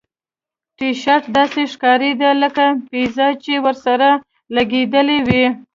ټي شرټ داسې ښکاریده لکه پیزا چې ورسره لګیدلې وي